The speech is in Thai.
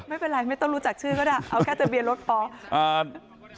ไม่ต้องรู้จักชื่อก็ได้เอาแค่ทะเบียนรถฟ้องอ่า